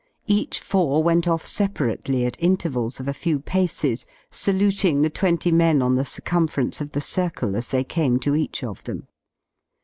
Each four went off separately at intervals of a few paces, saluting the twenty men on the circum ference of the circle as they came to each of them.